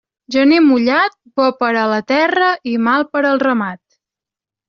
Gener mullat, bo per a la terra i mal per al ramat.